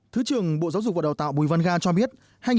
thứ trưởng bộ giáo dục và đào tạo bùi văn ga cho biết